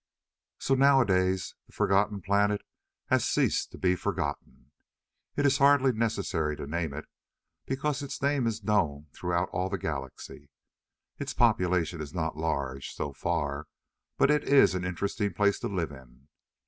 So nowadays the forgotten planet has ceased to be forgotten. It is hardly necessary to name it, because its name is known through all the Galaxy. Its population is not large, so far, but it is an interesting place to live in.